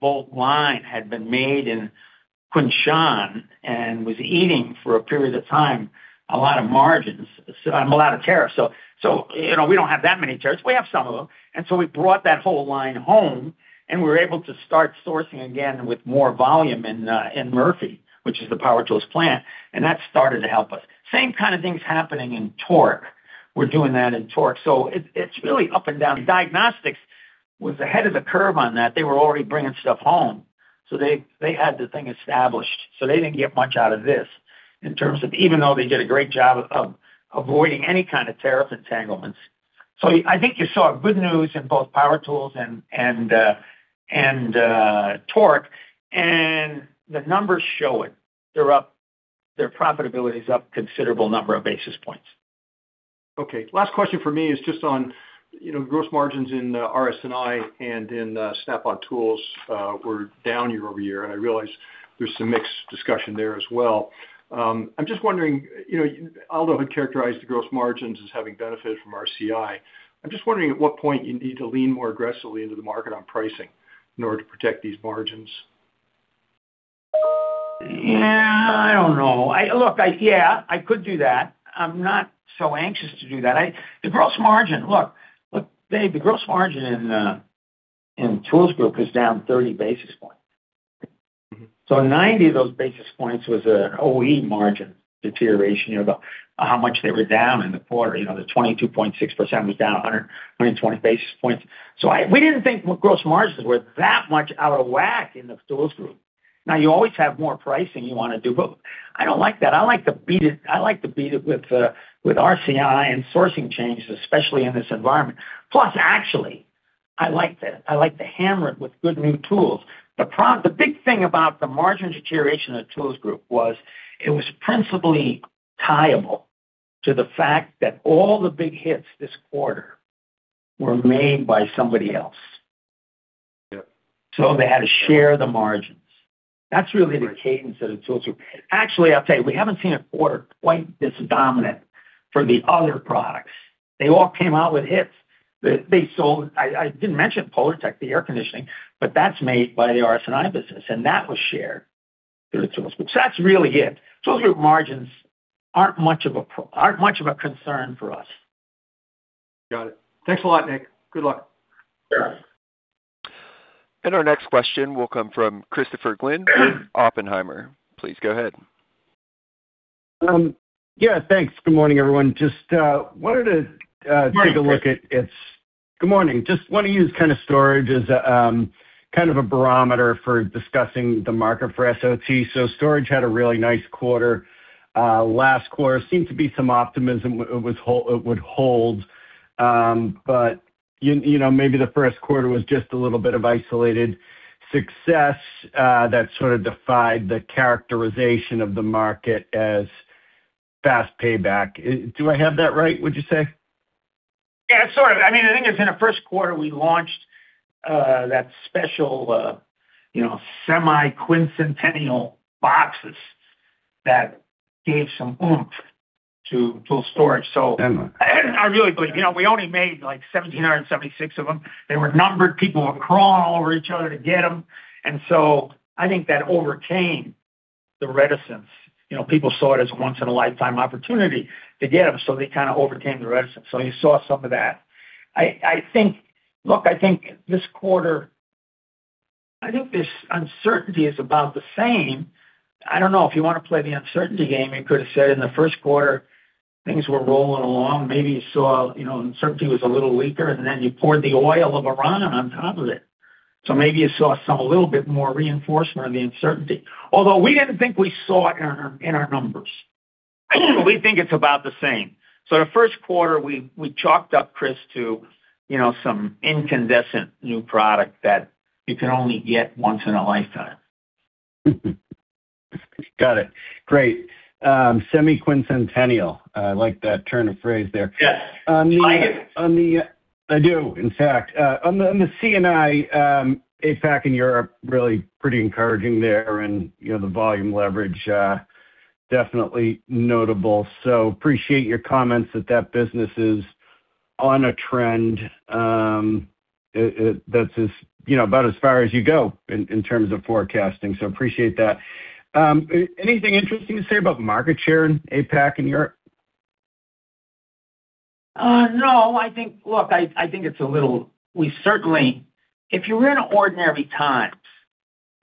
V line had been made in Kunshan and was eating, for a period of time, a lot of tariffs. We don't have that many tariffs. We have some of them. We brought that whole line home, and we were able to start sourcing again with more volume in Murphy, which is the power tools plant, and that started to help us. Same kind of things happening in Torque. We're doing that in Torque. It's really up and down. Diagnostics was ahead of the curve on that. They were already bringing stuff home, so they had the thing established. They didn't get much out of this in terms of even though they did a great job of avoiding any kind of tariff entanglements. I think you saw good news in both power tools and Torque, and the numbers show it. Their profitability is up considerable number of basis points. Okay, last question for me is just on gross margins in RS&I and in Snap-on Tools were down year-over-year. I realize there's some mixed discussion there as well. I'm just wondering, Aldo had characterized the gross margins as having benefited from RCI. I'm just wondering at what point you need to lean more aggressively into the market on pricing in order to protect these margins. I don't know. Look, I could do that. I'm not so anxious to do that. The gross margin, look, Dave, the gross margin in Tools Group is down 30 basis points. 90 of those basis points was an OE margin deterioration, about how much they were down in the quarter. The 22.6% was down 120 basis points. We didn't think gross margins were that much out of whack in the Tools Group. Now, you always have more pricing you want to do, but I don't like that. I like to beat it with RCI and sourcing changes, especially in this environment. Plus, actually, I like to hammer it with good new tools. The big thing about the margin deterioration of Tools Group was it was principally tieable to the fact that all the big hits this quarter were made by somebody else. Yep. They had to share the margins. That's really the cadence of the Tools Group. Actually, I'll tell you, we haven't seen a quarter quite this dominant for the other products. They all came out with hits that they sold. I didn't mention Polartek, the air conditioning, but that's made by the RS&I business, and that was shared through the Tools Group. That's really it. Tools Group margins aren't much of a concern for us. Got it. Thanks a lot, Nick. Good luck. Yeah. Our next question will come from Christopher Glynn with Oppenheimer. Please go ahead. Yeah, thanks. Good morning, everyone. Just wanted. Morning, Chris. take a look at it. Good morning. Just want to use kind of storage as kind of a barometer for discussing the market for SOT. Storage had a really nice quarter last quarter. Seemed to be some optimism it would hold. Maybe the first quarter was just a little bit of isolated success that sort of defied the characterization of the market as fast payback. Do I have that right, would you say? Yeah, sort of. I think it's in the first quarter we launched that special Semiquincentennial boxes that gave some oomph to tool storage. Yeah. I really believe we only made like 776 of them. They were numbered. People were crawling all over each other to get them. I think that overcame the reticence. People saw it as a once in a lifetime opportunity to get them, they kind of overcame the reticence. You saw some of that. Look, I think this quarter, this uncertainty is about the same. I don't know. If you want to play the uncertainty game, you could have said in the first quarter things were rolling along. Maybe you saw uncertainty was a little weaker, then you poured the oil of Iran on top of it. Maybe you saw some a little bit more reinforcement of the uncertainty. Although we didn't think we saw it in our numbers. We think it's about the same. The first quarter, we chalked up, Chris, to some incandescent new product that you can only get once in a lifetime. Got it. Great. Semiquincentennial. I like that turn of phrase there. Yes. You like it? I do, in fact. On the C&I, APAC and Europe, really pretty encouraging there. The volume leverage, definitely notable. Appreciate your comments that that business is on a trend. That's about as far as you go in terms of forecasting. Appreciate that. Anything interesting to say about market share in APAC and Europe? No. If you were in ordinary times,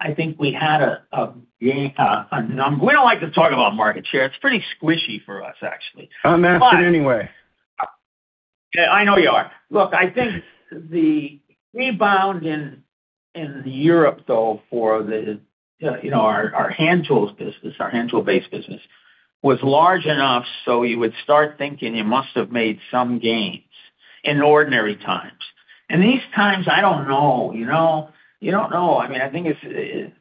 I think we had a number. We don't like to talk about market share. It's pretty squishy for us, actually. I'm going to ask it anyway. I know you are. I think the rebound in Europe, though, for our hand tools business, our hand tool-based business, was large enough so you would start thinking you must have made some gains in ordinary times. In these times, I don't know. You don't know. I think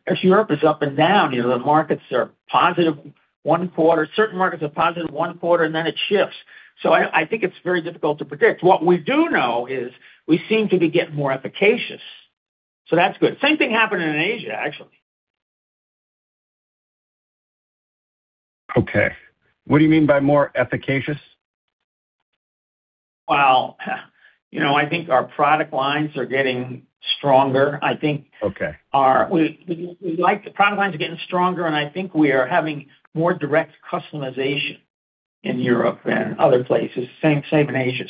as Europe is up and down, the markets are positive one quarter, certain markets are positive one quarter, and then it shifts. I think it's very difficult to predict. What we do know is we seem to be getting more efficacious, so that's good. Same thing happened in Asia, actually. Okay. What do you mean by more efficacious? Well, I think our product lines are getting stronger. Okay. The product lines are getting stronger. I think we are having more direct customization in Europe than other places. Same in Asia.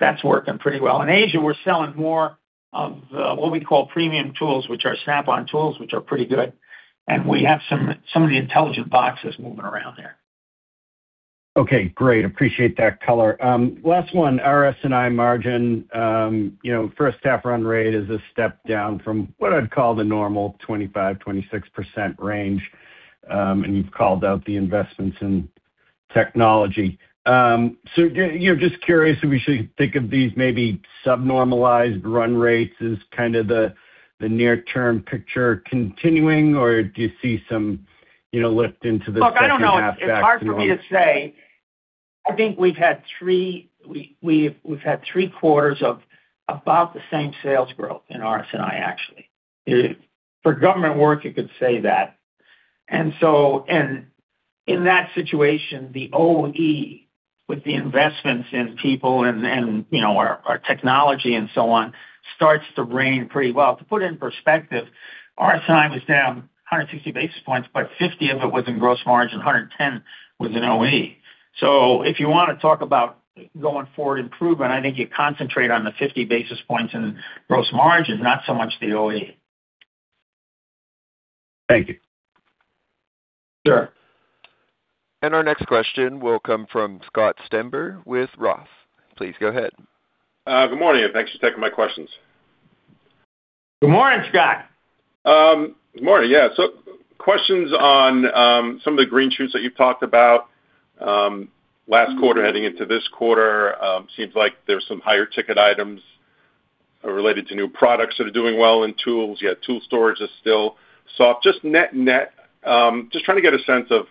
That's working pretty well. In Asia, we're selling more of what we call premium tools, which are Snap-on tools, which are pretty good. We have some of the intelligent boxes moving around there. Okay, great. Appreciate that color. Last one, RS&I margin. First half run rate is a step down from what I'd call the normal 25%-26% range. You've called out the investments in technology. Just curious if we should think of these maybe sub-normalized run rates as kind of the near-term picture continuing, or do you see some lift into the second half? Look, I don't know. It's hard for me to say. I think we've had three quarters of about the same sales growth in RS&I, actually. For government work, you could say that. In that situation, the OE with the investments in people and our technology and so on, starts to run pretty well. To put it in perspective, RS&I was down 150 basis points, but 50 of it was in gross margin, 110 was in OE. If you want to talk about going forward improvement, I think you concentrate on the 50 basis points in gross margin, not so much the OE. Thank you. Sure. Our next question will come from Scott Stember with ROTH. Please go ahead. Good morning, thanks for taking my questions. Good morning, Scott. Good morning. Yeah. Questions on some of the green shoots that you've talked about. Last quarter heading into this quarter, seems like there's some higher ticket items related to new products that are doing well in tools. Tool storage is still soft. Just trying to get a sense of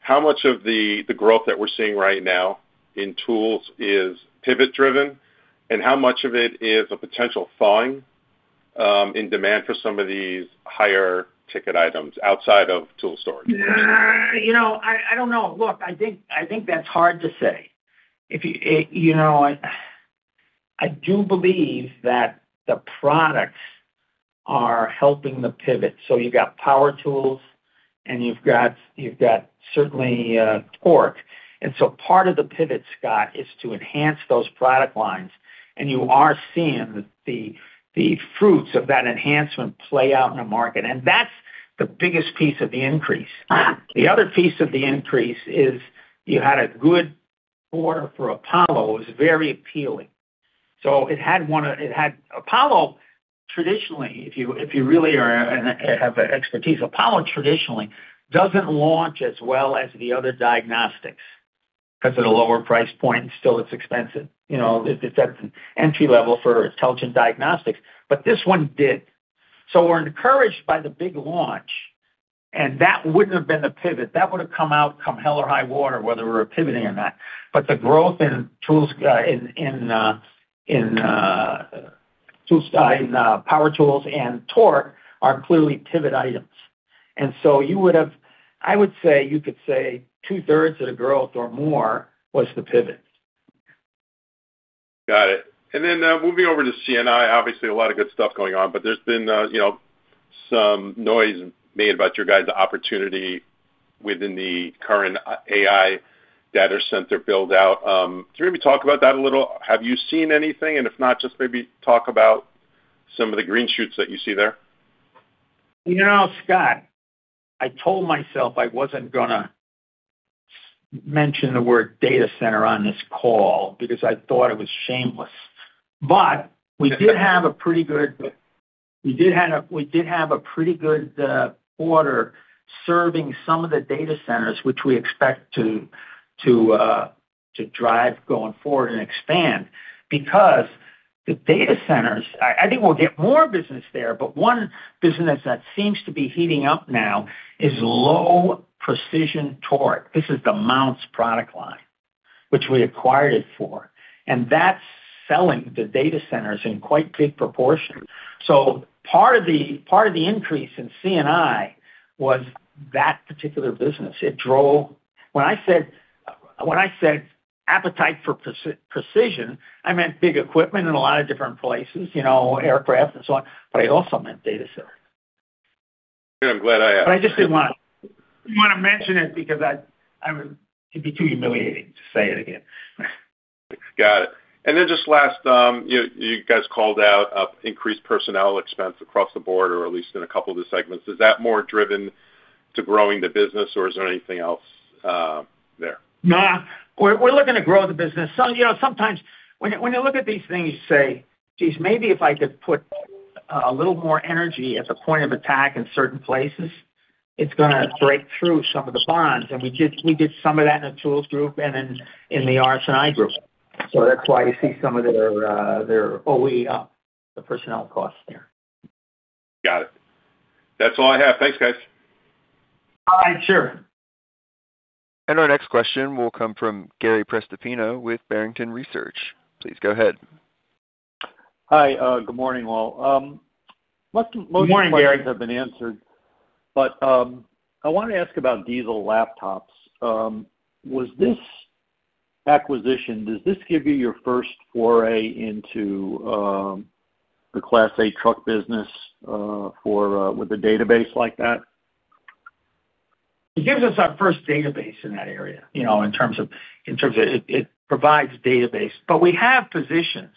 how much of the growth that we're seeing right now in tools is pivot driven, and how much of it is a potential thawing in demand for some of these higher ticket items outside of tool storage? I don't know. Look, I think that's hard to say. I do believe that the products are helping the pivot. You've got power tools and you've got certainly torque. Part of the pivot, Scott, is to enhance those product lines, and you are seeing the fruits of that enhancement play out in the market. That's the biggest piece of the increase. The other piece of the increase is you had a good quarter for Apollo, it was very appealing. Apollo traditionally, if you really have expertise, Apollo traditionally doesn't launch as well as the other diagnostics because of the lower price point. Still it's expensive. It's at an entry level for intelligent diagnostics, but this one did. We're encouraged by the big launch. That wouldn't have been the pivot. That would've come out come hell or high water, whether we're pivoting or not. The growth in power tools and torque are clearly pivot items. I would say you could say 2/3 of the growth or more was the pivot. Got it. Moving over to C&I, obviously a lot of good stuff going on, but there's been some noise made about you guys' opportunity within the current AI data center build-out. Can you maybe talk about that a little? Have you seen anything? If not, just maybe talk about some of the green shoots that you see there. Scott, I told myself I wasn't going to mention the word data center on this call because I thought it was shameless. We did have a pretty good quarter serving some of the data centers, which we expect to drive going forward and expand because the data centers, I think we'll get more business there, but one business that seems to be heating up now is low precision torque. This is the Mountz product line, which we acquired it for, and that's selling the data centers in quite big proportion. Part of the increase in C&I was that particular business. When I said appetite for precision, I meant big equipment in a lot of different places, aircraft and so on, but I also meant data center. I'm glad I asked. I just didn't want to mention it because it'd be too humiliating to say it again. Got it. Then just last, you guys called out increased personnel expense across the board, or at least in a couple of the segments. Is that more driven to growing the business, or is there anything else there? No. We're looking to grow the business. Sometimes when you look at these things, you say, Geez, maybe if I could put a little more energy as a point of attack in certain places, it's going to break through some of the bonds. We did some of that in the Tools Group and in the RS&I Group. That's why you see some of their OpEx up the personnel costs there. Got it. That's all I have. Thanks, guys. All right, sure. Our next question will come from Gary Prestopino with Barrington Research. Please go ahead. Hi. Good morning, all. Good morning, Gary. Most of the questions have been answered. I want to ask about Diesel Laptops. Was this acquisition, does this give you your first foray into the Class A truck business with a database like that? It gives us our first database in that area, in terms of it provides database. We have positions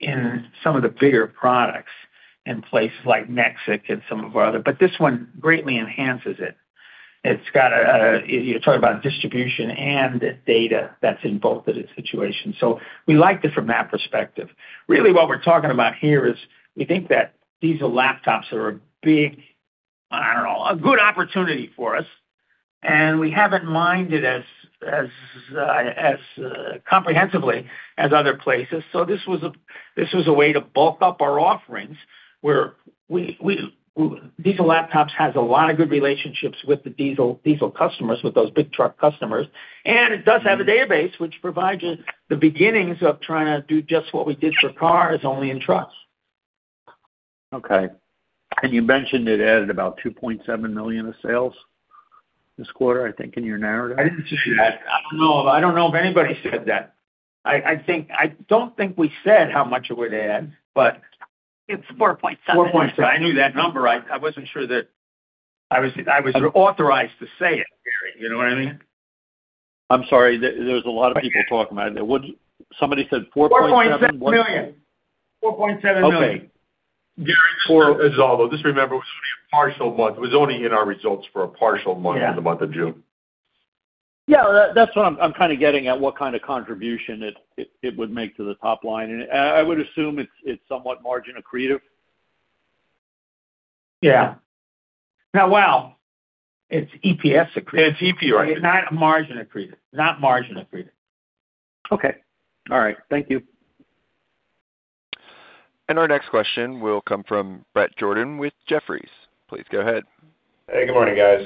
in some of the bigger products in places like Mexico and some of our other, but this one greatly enhances it. You talk about distribution and data that's in both of the situations. We like it from that perspective. Really what we're talking about here is we think that Diesel Laptops are a big, I don't know, a good opportunity for us, and we haven't mined it as comprehensively as other places. This was a way to bulk up our offerings where Diesel Laptops has a lot of good relationships with the diesel customers, with those big truck customers, and it does have a database which provides you the beginnings of trying to do just what we did for cars, only in trucks. Okay. You mentioned it added about $2.7 million of sales this quarter, I think, in your narrative. I didn't say that. I don't know if anybody said that. I don't think we said how much it would add. It's $4.7 million. $4.7 million. I knew that number. I wasn't sure that I was authorized to say it, Gary, you know what I mean? I'm sorry. There's a lot of people talking about it. Somebody said four point something. $4.7 million. Okay. Gary, for Aldo, just remember, it was only a partial month. It was only in our results for a partial month- Yeah in the month of June. Yeah, that's what I'm kind of getting at, what kind of contribution it would make to the top line, and I would assume it's somewhat margin accretive. Yeah. Now, well, it's EPS accretive. It's EPS, right. Not margin accretive. Okay. All right. Thank you. Our next question will come from Bret Jordan with Jefferies. Please go ahead. Hey, good morning, guys.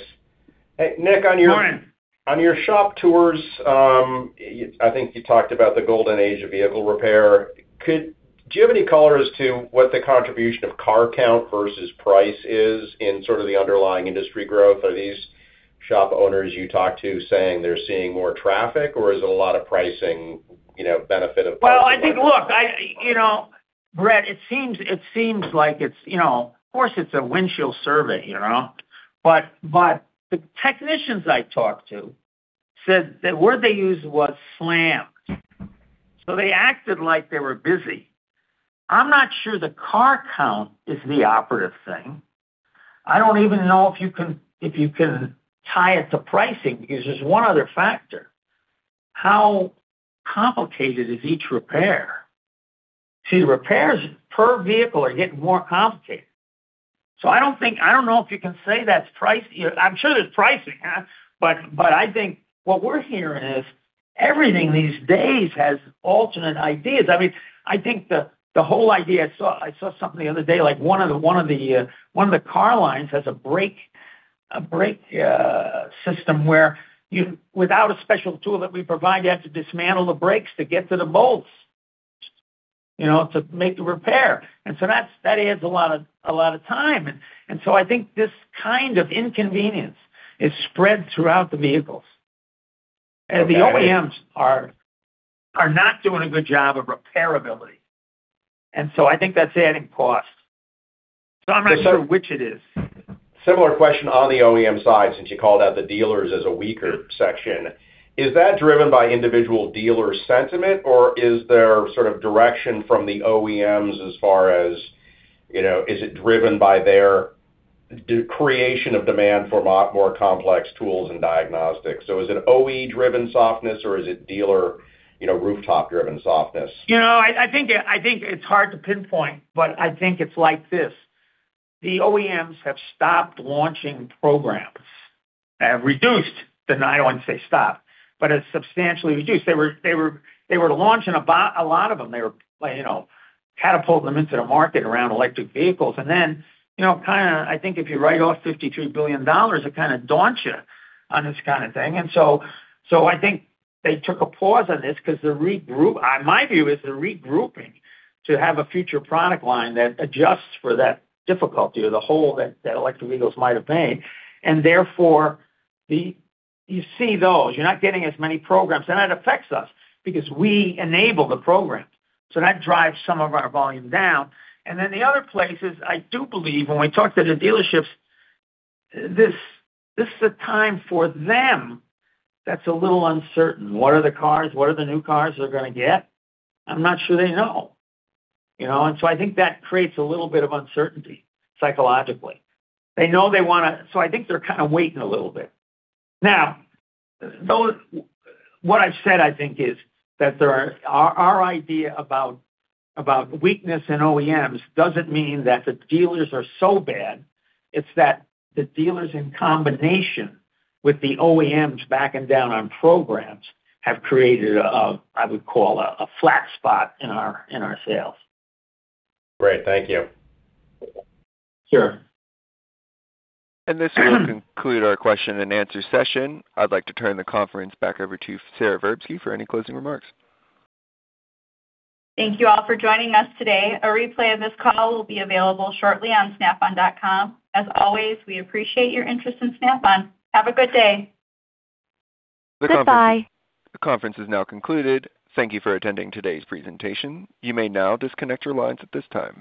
Morning. Hey, Nick, on your shop tours, I think you talked about the golden age of vehicle repair. Do you have any color as to what the contribution of car count versus price is in sort of the underlying industry growth? Are these shop owners you talk to saying they're seeing more traffic, or is it a lot of pricing benefit? Well, I think, look, Bret, it seems like, of course, it's a windshield survey. The technicians I talked to said, the word they used was slammed. They acted like they were busy. I'm not sure the car count is the operative thing. I don't even know if you can tie it to pricing because there's one other factor. How complicated is each repair? See, repairs per vehicle are getting more complicated. I don't know if you can say that's price. I'm sure there's pricing, but I think what we're hearing is everything these days has alternate ideas. I think the whole idea, I saw something the other day, one of the car lines has a brake system where without a special tool that we provide, you have to dismantle the brakes to get to the bolts, to make the repair. That adds a lot of time. I think this kind of inconvenience is spread throughout the vehicles. The OEMs are not doing a good job of repairability. I think that's adding cost. I'm not sure which it is. Similar question on the OEM side, since you called out the dealers as a weaker section. Is that driven by individual dealer sentiment, or is there sort of direction from the OEMs as far as, is it driven by their creation of demand for more complex tools and diagnostics? Is it OE-driven softness, or is it dealer rooftop-driven softness? I think it's hard to pinpoint, but I think it's like this. The OEMs have stopped launching programs. Have reduced, I don't want to say stopped, but it's substantially reduced. They were launching a lot of them. They were catapulting them into the market around electric vehicles. I think if you write off $53 billion, it kind of daunts you on this kind of thing. I think they took a pause on this because my view is they're regrouping to have a future product line that adjusts for that difficulty or the hole that electric vehicles might've made. You see those. You're not getting as many programs, and that affects us because we enable the programs. That drives some of our volume down. The other places, I do believe when we talk to the dealerships, this is a time for them that's a little uncertain. What are the cars? What are the new cars they're going to get? I'm not sure they know. I think that creates a little bit of uncertainty psychologically. I think they're kind of waiting a little bit. Now, what I've said I think is that our idea about weakness in OEMs doesn't mean that the dealers are so bad. It's that the dealers in combination with the OEMs backing down on programs have created a, I would call, a flat spot in our sales. Great. Thank you. Sure. This will conclude our question-and-answer session. I'd like to turn the conference back over to Sara Verbsky for any closing remarks. Thank you all for joining us today. A replay of this call will be available shortly on snapon.com. As always, we appreciate your interest in Snap-on. Have a good day. Goodbye. The conference is now concluded. Thank you for attending today's presentation. You may now disconnect your lines at this time.